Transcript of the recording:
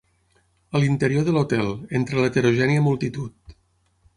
A l'interior de l'hotel, entre l'heterogènia multitud